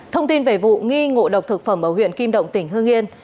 thông tin về vụ nghi ngộ độc thực phẩm ở huyện kim động tỉnh hương yên